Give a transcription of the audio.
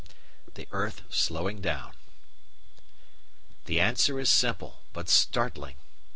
The Earth Slowing down The answer is simple, but startling.